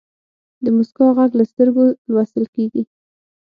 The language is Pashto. د موسکا ږغ له سترګو لوستل کېږي.